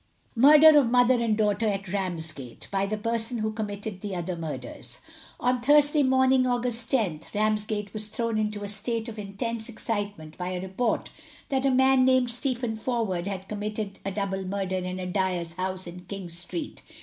Murder of Mother & Daughter at Ramsgate, by the person who committed the other Murders. On Thursday morning, August 10th, Ramsgate was thrown into a state of intense excitement by a report that a man named Stephen Forward had committed a double murder in a dyer's house in King street.